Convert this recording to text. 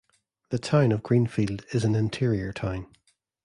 The Town of Greenfield is an interior town.